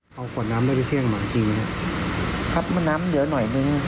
เขาขวดน้ำได้ไปเครื่องหมาจริงมั้ยครับครับมันน้ำเยอะหน่อยหนึ่ง